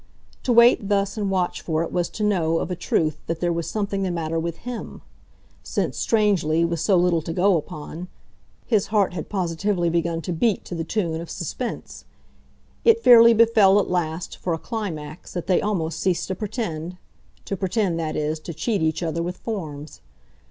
To wait thus and watch for it was to know, of a truth, that there was something the matter with HIM; since strangely, with so little to go upon his heart had positively begun to beat to the tune of suspense. It fairly befell at last, for a climax, that they almost ceased to pretend to pretend, that is, to cheat each other with forms.